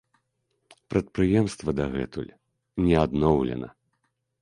Прадпрыемства дагэтуль не адноўлена.